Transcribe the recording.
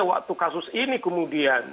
waktu kasus ini kemudian